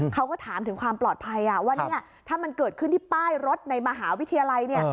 เขาก็ถามถึงความปลอดภัยว่าถ้ามันเกิดขึ้นที่ป้ายรถในมหาวิทยาลัย